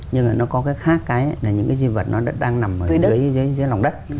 nhưng nó có cái khác cái là những di vật đang nằm dưới lòng đất